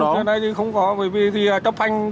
không không có vì chấp thanh